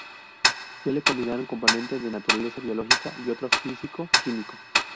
Suele combinar un componente de naturaleza biológica y otro físico-químico.